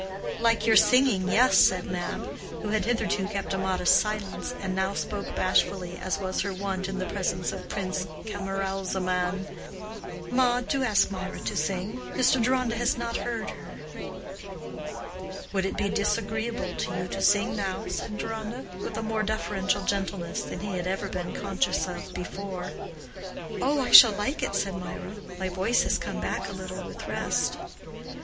"Like your singing—yes," said Mab, who had hitherto kept a modest silence, and now spoke bashfully, as was her wont in the presence of Prince Camaralzaman—"Ma, do ask Mirah to sing. Mr. Deronda has not heard her." "Would it be disagreeable to you to sing now?" said Deronda, with a more deferential gentleness than he had ever been conscious of before. "Oh, I shall like it," said Mirah. "My voice has come back a little with rest."